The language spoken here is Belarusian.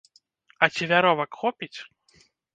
А ці вяровак хопіць?!.